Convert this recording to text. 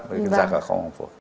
bởi cái giá khá khó ngon quá